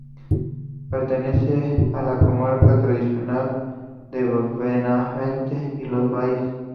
Pertenece a la comarca tradicional de Benavente y Los Valles.